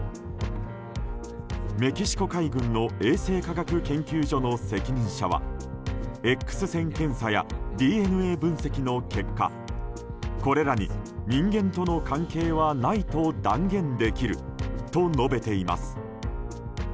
メキシコ海軍の衛生科学研究所の責任者はＸ線検査やＤＮＡ分析の結果これらに人間との関係はないと断言できると述べています。